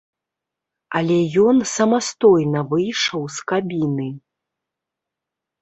Але ён самастойна выйшаў з кабіны.